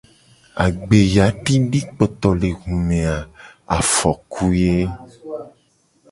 Agbeyadidikpotolehume a afoku ye.